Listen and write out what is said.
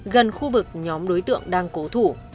gần khu vực nhóm đối tượng đang cố thủ